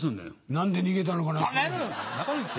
何で逃げたのかなって。